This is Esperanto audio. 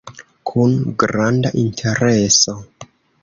Kun granda intereso.